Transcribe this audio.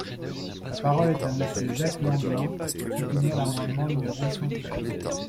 La parole est à Monsieur Jacques Lamblin, pour soutenir l’amendement numéro cent treize.